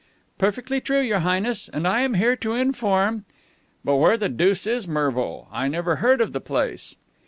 "Perfectly true, Your Highness. And I am here to inform " "But where the deuce is Mervo? I never heard of the place."